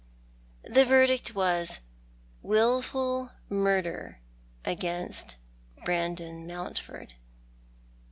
The verdict was wilful murder against Brandon Mountford.